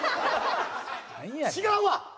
違うわ！